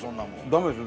ダメです。